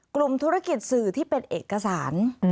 กลุ่มธุรกิจสื่อที่เป็นเอกสาร